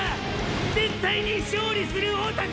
絶対に勝利する男！！